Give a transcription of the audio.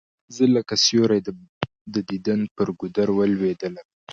زه لکه سیوری د دیدن پر گودر ولوېدلم